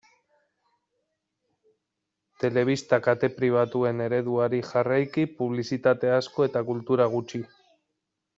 Telebista kate pribatuen ereduari jarraiki publizitate asko eta kultura gutxi.